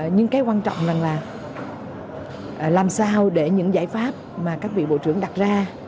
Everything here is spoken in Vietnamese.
nhưng cái quan trọng rằng là làm sao để những giải pháp mà các vị bộ trưởng đặt ra